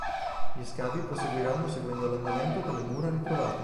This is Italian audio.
Gli scavi proseguiranno seguendo l’andamento delle mura ritrovate.